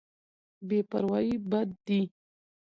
بې پروايي بد دی.